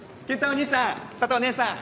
お兄さん佐都お姉さん。